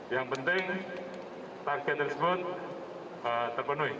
yang penting target tersebut terpenuhi